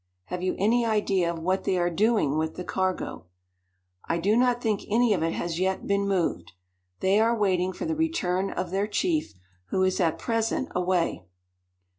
"Have you any idea of what they are doing with the cargo?" "I do not think any of it has yet been moved. They are waiting for the return of their chief, who is at present away."